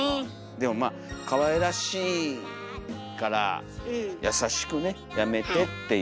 でもまあかわいらしいから優しくね「やめて」っていう。